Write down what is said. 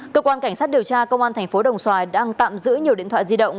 cơ quan cảnh sát điều tra công an thành phố đồng xoài đang tạm giữ nhiều điện thoại di động